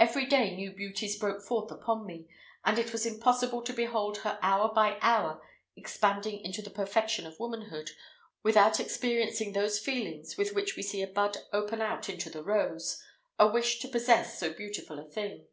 Every day new beauties broke forth upon me; and it was impossible to behold her hour by hour expanding into the perfection of womanhood, without experiencing those feelings with which we see a bud open out into the rose a wish to possess so beautiful a thing.